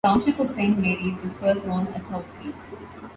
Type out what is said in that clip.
The township of Saint Marys was first known as South Creek.